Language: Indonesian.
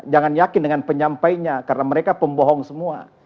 jangan yakin dengan penyampainya karena mereka pembohong semua